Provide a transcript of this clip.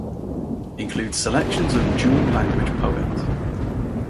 Includes selection of dual-language poems.